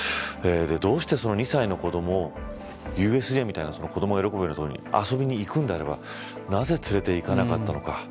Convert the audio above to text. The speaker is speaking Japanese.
どうしてその２歳の子どもをＵＳＪみたいな子どもが喜べる所に遊びに行くんであればなぜ連れて行かなかったのか